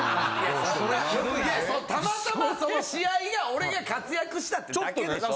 そんなたまたまその試合が俺が活躍したってだけでしょ。